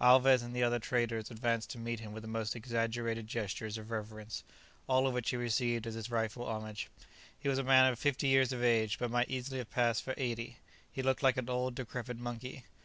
Alvez and the other traders advanced to meet him with the most exaggerated gestures of reverence, all of which he received as his rightful homage. He was a man of fifty years of age, but might easily have passed for eighty. He looked like an old, decrepit monkey.